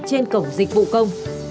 trên cổng dịch vụ công